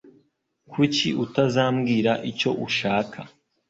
Kuki utazambwira icyo ushaka?